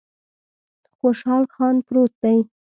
خوشحال خان پروت دی